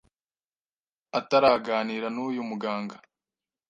ataraganira n’uyu muganga